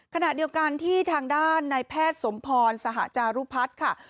ขณะเดียวกันที่ทางด้านในแพทย์สมพรสหจารุพัฒน์ค่ะ